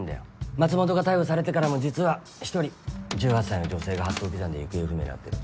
松本が逮捕されてからも実は１人１８歳の女性が八頭尾山で行方不明になってる。